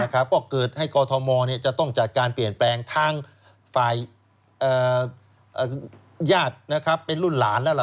ก็เกิดให้กอทมจะต้องจัดการเปลี่ยนแปลงทางฝ่ายญาติเป็นรุ่นหลานแล้ว